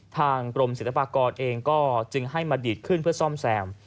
ทางกรมศิลปากรเองก็จึงให้มาดีดขึ้นเพื่อซ่อมแซม